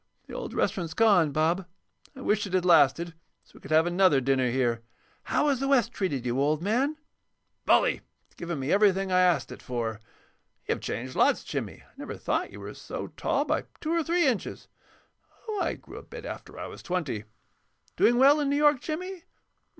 The old restaurant's gone, Bob; I wish it had lasted, so we could have had another dinner there. How has the West treated you, old man?" "Bully; it has given me everything I asked it for. You've changed lots, Jimmy. I never thought you were so tall by two or three inches." "Oh, I grew a bit after I was twenty." "Doing well in New York, Jimmy?"